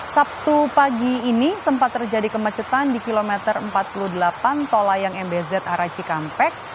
sabtu pagi ini sempat terjadi kemacetan di kilometer empat puluh delapan tol layang mbz arah cikampek